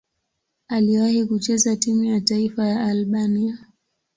Aliwahi kucheza timu ya taifa ya Albania.